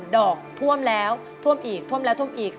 ดอกท่วมแล้วท่วมอีกท่วมแล้วท่วมอีก